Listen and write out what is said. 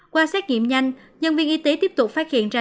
qua xét nghiệm nhanh nhân viên y tế tiếp tục phát hiện ra